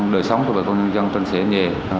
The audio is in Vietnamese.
đời sống của bà con dân